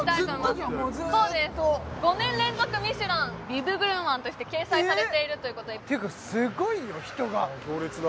ずっとじゃんもうずーっと５年連続ミシュランビブグルマンとして掲載されているということでていうかすごいよ人が行列だ